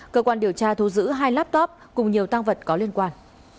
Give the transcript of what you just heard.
cơ quan điều tra thu giữ hai laptop cùng nhiều tăng vật có liên quan